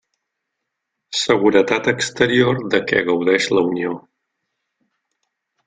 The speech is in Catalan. Seguretat exterior de què gaudeix la Unió.